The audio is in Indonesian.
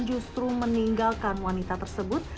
justru meninggalkan wanita tersebut